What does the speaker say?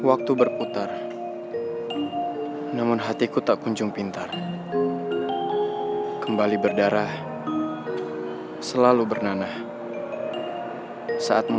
akhirnya kita bisa berkompetisi bareng